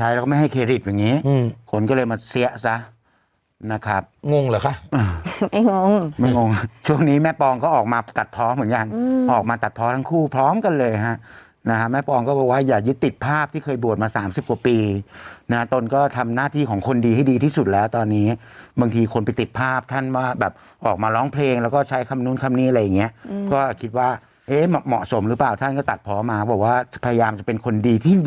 ห้ามตัวผู้มาผสมพันธุ์ตัวเมียแล้วก็มีเยอะอยู่เมย